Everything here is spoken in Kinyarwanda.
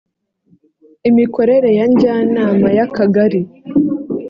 imikorere ya njyanama y akagari